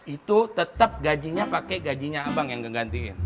itu tetep gajinya pake gajinya abang yang ngegantiin